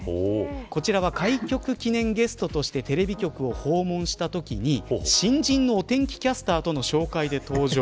こちらは開局記念ゲストとしてテレビ局を訪問したときに新人のお天気キャスターとの紹介で登場。